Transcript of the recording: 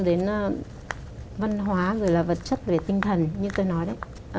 quan tâm đến văn hóa rồi là vật chất về tinh thần như tôi nói đó